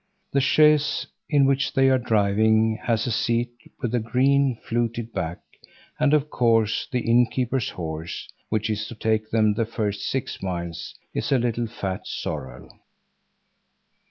The chaise in which they are driving has a seat with a green, fluted back, and of course the innkeeper's horse which is to take them the first six miles is a little fat sorrel.